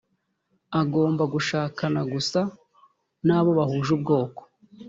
agomba gushakana gusa n’abo bahuje ubwoko